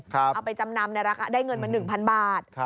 เอาไปจำนำได้เงินมา๑๐๐บาท